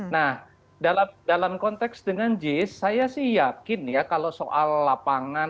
nah dalam konteks dengan jis saya sih yakin ya kalau soal lapangan